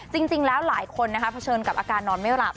จริงแล้วหลายคนนะคะเผชิญกับอาการนอนไม่หลับ